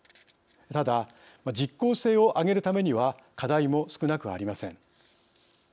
ただ、実効性を上げるためには課題も少なくありません。